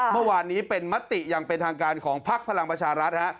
เมื่อวานนี้เป็นมติอย่างเป็นทางการของพักพลังประชารัฐ